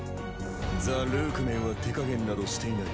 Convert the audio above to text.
ザ・ルークメンは手加減などしていない。